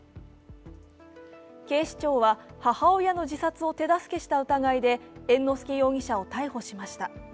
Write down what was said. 警視庁は母親の自殺を手助けした疑いで猿之助容疑者を逮捕しました。